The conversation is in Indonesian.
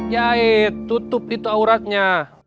yae tutup gitu auratnya